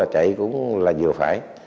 chạy cũng là vừa phải